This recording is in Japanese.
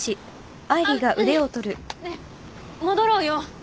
ねえ戻ろうよ。